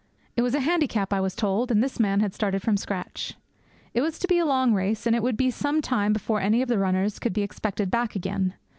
It was a handicap, I was told, and this man had started from scratch. It was to be a long race, and it would be some time before any of the runners could be expected back again.